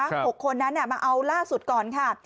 หกคนนั้นมาเอาล่าสุดก่อนค่ะ